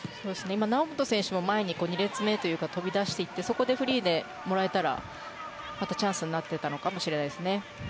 今、猶本選手も前に、２列目というか飛び出していってそこでフリーでもらえたらまたチャンスになっていたのかもしれませんね。